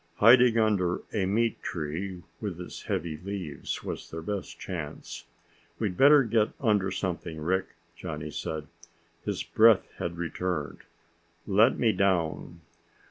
Hiding under a meat tree, with its heavy leaves, was their best chance. "We'd better get under something, Rick," Johnny said. His breath had returned. "Let me down."